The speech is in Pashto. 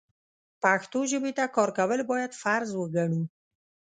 پښتو ژبې ته کار کول بايد فرض وګڼو.